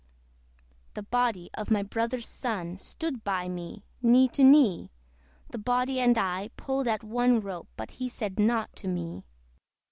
The body of my brother's son, Stood by me, knee to knee: The body and I pulled at one rope, But he said nought to me.